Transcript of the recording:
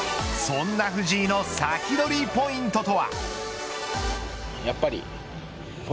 そんな藤井の先取りポイントとは。